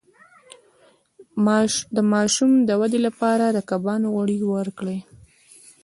د ماشوم د ودې لپاره د کبانو غوړي ورکړئ